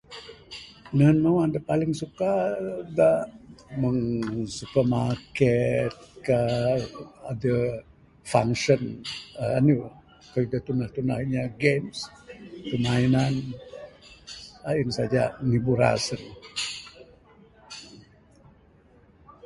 Nehen mawah da paling suka da meng supermarket ka adeh function da tunah tunah inya games permainan ain saja ngibur aseng.